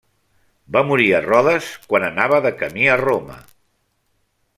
Va morir a Rodes quan anava de camí a Roma.